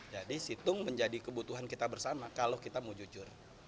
jadi situng menjadi kebutuhan kita bersama kalau kita mau jujur